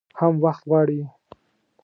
هم وخت غواړي .